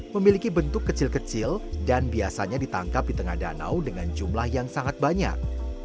memiliki bentuk kecil kecil dan biasanya ditangkap di tengah danau dengan jumlah yang sangat banyak